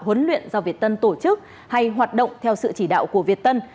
huấn luyện do việt tân tổ chức hay hoạt động theo sự chỉ đạo của việt tân